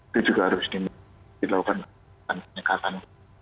itu juga harus dilakukan penyekatan